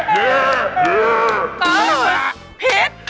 ผิด